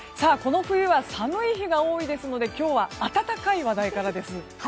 この冬は寒い日が多いですので今日は暖かい話題からです。